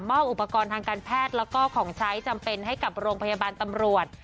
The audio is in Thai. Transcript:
อุปกรณ์ทางการแพทย์แล้วก็ของใช้จำเป็นให้กับโรงพยาบาลตำรวจ